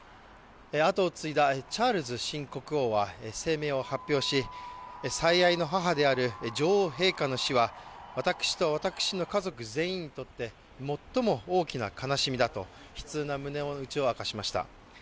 あとを継いだチャールズ新国王は声明を発表し、最愛の母である女王陛下の死は私と私の家族全員にとって最も大きな悲しみだと悲痛な胸のうちを明かしました。